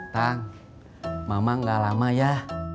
tang mama gak lama ya